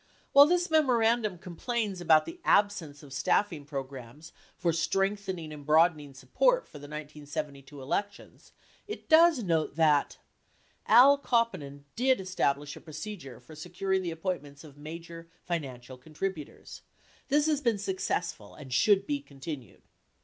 6 While this memorandum complains about the absence of staffing programs "for strengthening and broadening support for the 1972 elections," it does note that: •.. A1 Kaupinen did establish a procedure for securing the appointments of major financial contributors. This has been successful and should be continued.